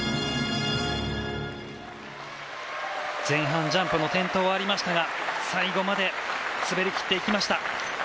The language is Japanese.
前半、ジャンプの転倒がありましたが最後まで滑りきっていきました。